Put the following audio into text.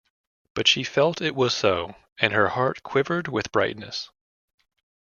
But she felt it was so, and her heart quivered with brightness.